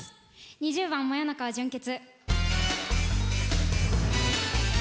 ２０番「真夜中は純潔」。